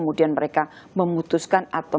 jadi memang memerlukan waktu